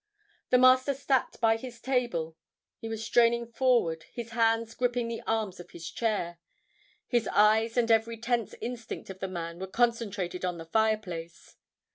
"The Master sat by his table; he was straining forward, his hands gripping the arms of his chair. His eyes and every tense instinct of the man were concentrated on the fireplace.